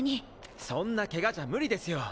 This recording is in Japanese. そんなケガじゃ無理ですよ！